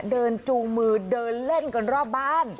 จูงมือเดินเล่นกันรอบบ้าน